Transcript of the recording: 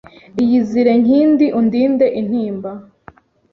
Iyizire nkindi undinde intimba ;